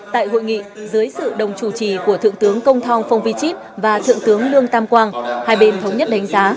tại hội nghị dưới sự đồng chủ trì của thượng tướng công thong phong vy chít và thượng tướng lương tam quang hai bên thống nhất đánh giá